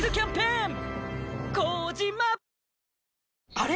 あれ？